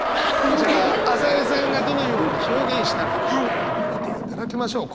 じゃあ朝井さんがどのように表現したのか見ていただきましょう。